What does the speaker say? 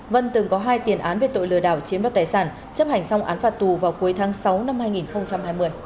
vân từng có hai tiền án về tội lừa đảo chiếm đoạt tài sản chấp hành xong án phạt tù vào cuối tháng sáu năm hai nghìn hai mươi